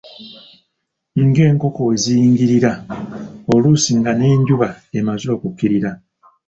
Ng'enkoko we ziyingirira, oluusi nga n'enjuba emaze okukkirira.